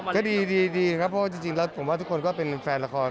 ก็ดีนะครับเพราะว่าจริงแล้วผมว่าทุกคนก็เป็นแฟนละคร